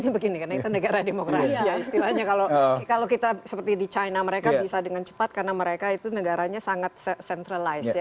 begini karena itu negara demokrasi ya istilahnya kalau kita seperti di china mereka bisa dengan cepat karena mereka itu negaranya sangat centralized ya